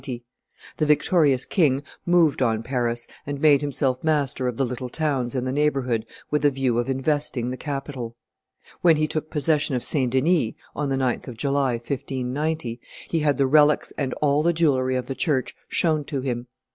The victorious king moved on Paris, and made himself master of the little towns in the neighborhood with a view of investing the capital. When he took possession of St. Denis [on the 9th of July, 1590], he had the relics and all the jewelry of the church shown to him.